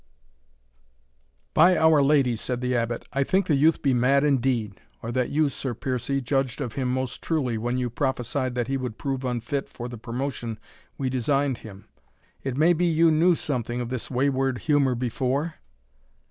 "By our Lady," said the Abbot, "I think the youth be mad indeed or that you, Sir Piercie, judged of him most truly, when you prophesied that he would prove unfit for the promotion we designed him it may be you knew something of this wayward humour before?"